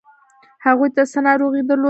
هغوی څه ناروغي درلوده؟